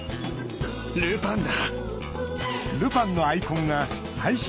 ルパンだ！